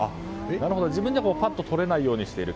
なるほど、自分ではぱっと取れないようにしている。